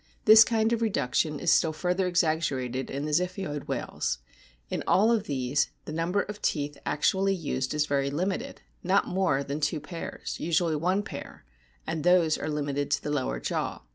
This kind of reduction is still further exaggerated in the Ziphioid whales. In all of these the number of teeth actually used is very limited, not more than two pairs usually one pair, and those are limited to the lower jaw.